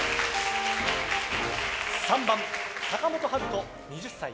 ３番、坂本陽斗、２０歳。